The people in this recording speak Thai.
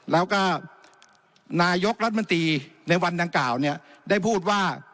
แล้วก็นายกรัฐมนตรีในวันดังกล่าวเนี่ยได้พูดว่า